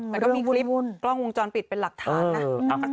แต่ก็มีกล้องวงจรปิดเป็นหลักฐานนะ